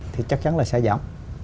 thì chắc chắn là sẽ giảm